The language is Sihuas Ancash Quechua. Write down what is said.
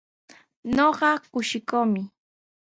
Ñuqa kushikuumi.